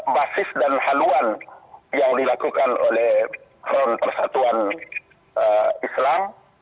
basis dan haluan yang dilakukan oleh front persatuan islam